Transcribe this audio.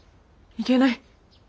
いけない。